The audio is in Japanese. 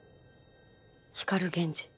光源氏。